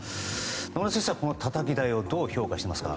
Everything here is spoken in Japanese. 野村さんは、このたたき台をどう評価しますか？